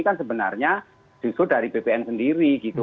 kan sebenarnya justru dari bpn sendiri gitu